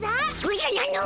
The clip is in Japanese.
おじゃなぬ！